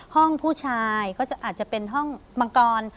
ห้องผู้ชายก็อาจจะเป็นห้องมังกร